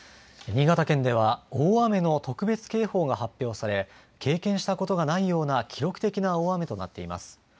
新潟県では、大雨の特別警報が発表され、経験したことがないような記録的な大雨となっています。